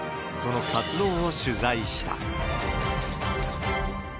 その活動を取材した。